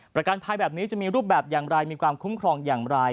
ประกันภัยแบบนี้จะมีรูปแบบอย่างไรมีความคุ้มครองอย่างไร